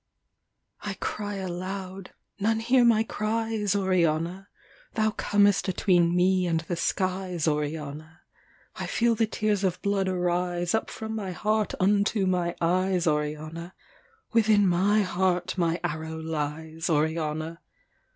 I cry aloud: none hear my cries, Oriana. Thou comest atween me and the skies, Oriana. I feel the tears of blood arise Up from my heart unto my eyes, Oriana. Within my heart my arrow lies, Oriana.